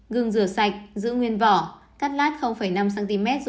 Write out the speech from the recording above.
gương rửa sạch giữ nguyên vỏ cắt lát năm cm